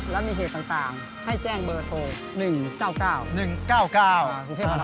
และมีเหตุต่างให้แจ้งเบอร์โทร